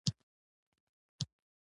د دې هیات پنځه غړي وه.